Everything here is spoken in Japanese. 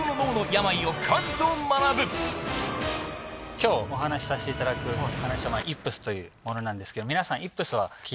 今日お話しさせていただく話はイップスというものなんですけど皆さん。